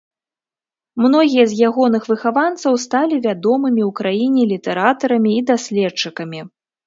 Многія з ягоных выхаванцаў сталі вядомымі ў краіне літаратарамі і даследчыкамі.